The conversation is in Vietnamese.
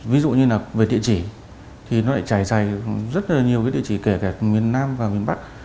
ví dụ như là về địa chỉ thì nó lại trải dài rất là nhiều cái địa chỉ kể cả miền nam và miền bắc